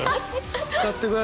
使ってください。